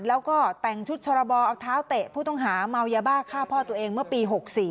แล้วก็แต่งชุดชรบเอาเท้าเตะผู้ต้องหาเมายาบ้าฆ่าพ่อตัวเองเมื่อปี๖๔